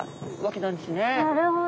なるほど。